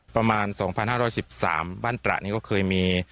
ประมาณ๒๕๑๓บ้านตระนี่ก็เคยมี